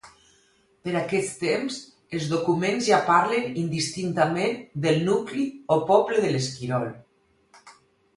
Per aquest temps els documents ja parlen indistintament del nucli o poble de l'Esquirol.